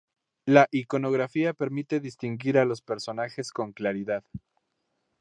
La iconografía permite distinguir a los personajes con claridad.